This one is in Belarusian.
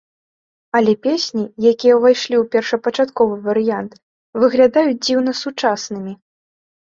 Але песні, якія ўвайшлі ў першапачатковы варыянт, выглядаюць дзіўна сучаснымі.